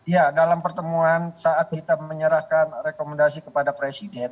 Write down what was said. ya dalam pertemuan saat kita menyerahkan rekomendasi kepada presiden